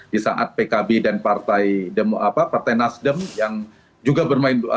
di saat pkb dan partai nasdem yang juga bermain